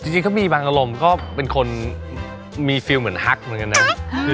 จริงก็มีบางอารมณ์ก็เป็นคนมีฟิลเหมือนฮักเหมือนกันนะ